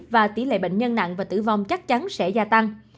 và tỷ lệ bệnh nhân nặng và tử vong chắc chắn sẽ gia tăng